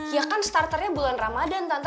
ya kan starternya bulan ramadhan tante